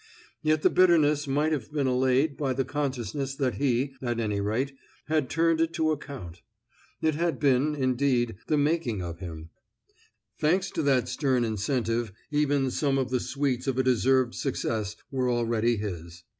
Yet the bitterness might have been allayed by the consciousness that he, at any rate, had turned it to account. It had been, indeed, the making of him; thanks to that stern incentive, even some of the sweets of a deserved success were already his.